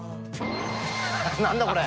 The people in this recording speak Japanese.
何だこれ！